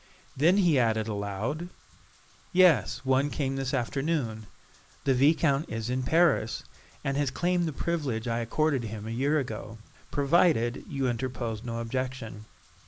Then he added aloud: "Yes, one came this afternoon. The Viscount is in Paris, and has claimed the privilege I accorded him a year ago, provided you interposed no objection.